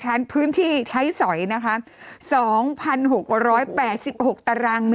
พื้นที่ใช้สอยนะคะ๒๖๘๖ตาราง